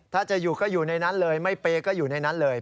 ถ้าจะอยู่ก็อยู่ในนั้นเลยไม่เปย์ก็อยู่ในนั้นเลย